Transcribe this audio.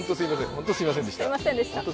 本当にすみませんでした。